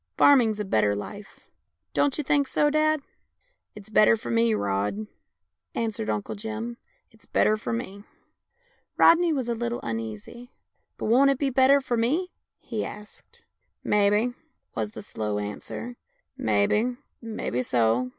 " Farming's a better life. Don't you think so, dad?" " It's better for me, Rod," answered Uncle Jim, " it's better for me." Rodney was a little uneasy. " But won't it be better for me? " he asked. " Mebbe," was the slow answer, " mebbe, mebbe so."